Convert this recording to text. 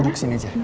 duduk sini aja